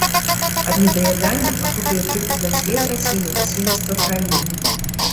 Ад недаядання пакутуе прыкладна дзве траціны насельніцтва краіны.